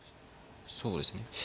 そうですね。